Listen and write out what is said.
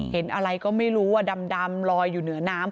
เห็นอะไรก็ไม่รู้ว่าดำลอยอยู่เหนือน้ำ